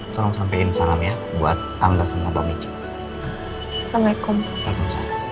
tolong sampein salam ya buat anda sama bang michi assalamualaikum